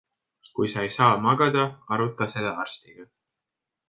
Kui sa ei saa magada, aruta seda arstiga.